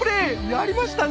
やりましたね！